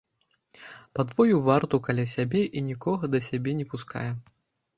Падвоіў варту каля сябе і нікога да сябе не пускае.